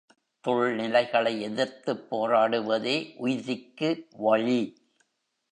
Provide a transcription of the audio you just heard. துழ்நிலைகளை எதிர்த்துப் போராடுவதே உய்திக்கு வழி.